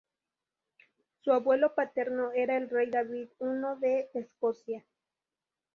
Su abuelo paterno era el rey David I de Escocia.